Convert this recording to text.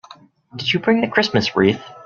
Did you bring the Christmas wreath?